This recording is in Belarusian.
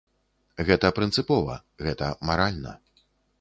Гэта прынцыпова, гэта маральна.